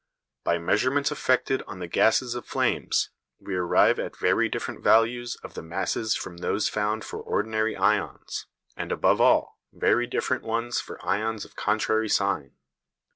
By measurements effected on the gases of flames, we arrive at very different values of the masses from those found for ordinary ions, and above all, very different ones for ions of contrary sign.